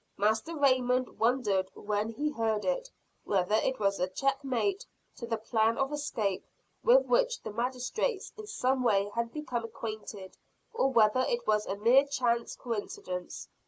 Master Raymond wondered when he heard it, whether it was a check mate to the plan of escape, with which the magistrates, in some way had become acquainted; or whether it was a mere chance coincidence.